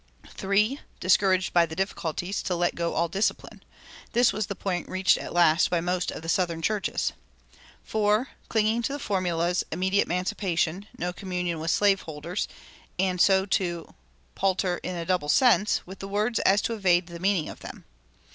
(3) Discouraged by the difficulties, to let go all discipline. This was the point reached at last by most of the southern churches. (4) Clinging to the formulas, "Immediate emancipation," "No communion with slave holders," so to "palter in a double sense" with the words as to evade the meaning of them.